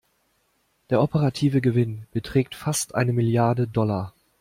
Der operative Gewinn beträgt fast eine Milliarde Dollar.